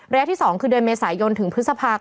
ระยะที่๒คือเดือนเมษายนถึงพฤษภาคม